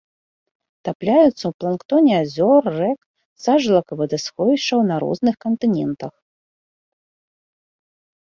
Тапляюцца ў планктоне азёр, рэк, сажалак і вадасховішчаў на розных кантынентах.